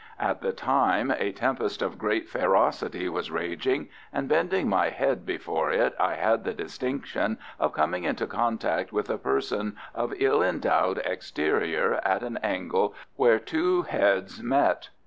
At the time a tempest of great ferocity was raging, and bending my head before it I had the distinction of coming into contact with a person of ill endowed exterior at an angle where two roads met.